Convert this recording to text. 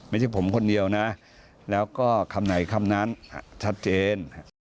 ไม่ใช่ผมคนเดียวนะแล้วก็คำไหนคำนั้นชัดเจน